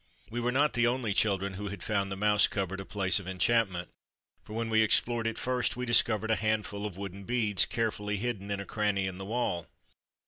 We were not the only children who had found the mouse cupboard a place of enchantment, for when we explored it first we discovered a handful of wooden beads carefully hidden in a cranny in the wall.